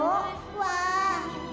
わあ。